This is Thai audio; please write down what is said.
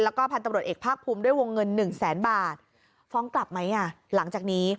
แล้วก็พันธุ์ตำรวจเอกภาคภูมิด้วยวงเงินหนึ่งแสนบาทฟ้องกลับไหมอ่ะหลังจากนี้